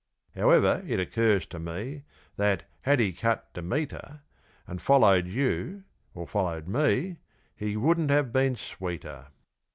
However, it occurs to me That, had he cut Demeter And followed you, or followed me, He wouldn't have been sweeter.